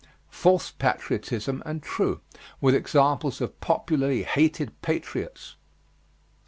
False patriotism and true, with examples of popularly hated patriots.